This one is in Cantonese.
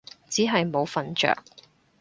只係冇瞓着